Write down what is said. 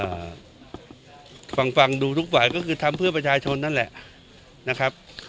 อ่าฟังฟังดูทุกฝ่ายก็คือทำเพื่อประชาชนนั่นแหละนะครับ